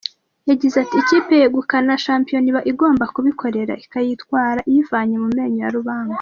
Yagize ati“Ikipe yegukana shampiyona iba igomba kubikorera, ikayitwara iyivanye mu menyo ya rubamba.